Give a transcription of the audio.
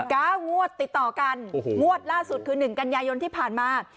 เก้างวดติดต่อกันโอ้โหงวดล่าสุดคือหนึ่งกันยายนที่ผ่านมา